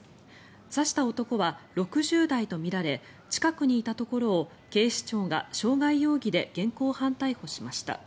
刺した男は６０代とみられ近くにいたところを、警視庁が傷害容疑で現行犯逮捕しました。